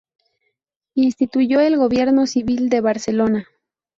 Instituyó el Gobierno Civil de Barcelona.